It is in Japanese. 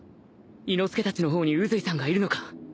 伊之助たちの方に宇髄さんがいるのか？